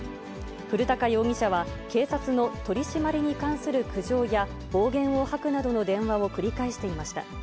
古高容疑者は、警察の取締りに関する苦情や、暴言を吐くなどの電話を繰り返していました。